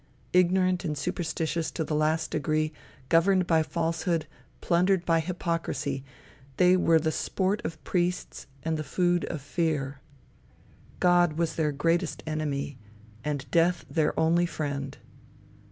Ignorant and superstitious to the last degree, governed by falsehood, plundered by hypocrisy, they were the sport of priests, and the food of fear. God was their greatest enemy, and death their only friend.